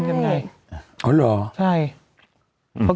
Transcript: อายุยังง้อยเลยอะอายุ๑๗อะ